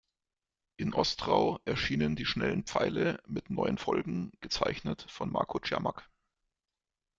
In Ostrau erschienen die Schnellen Pfeile mit neuen Folgen, gezeichnet von "Marko Čermák".